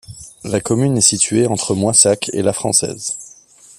La commune est située entre Moissac et Lafrançaise.